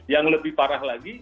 yang lebih parah lagi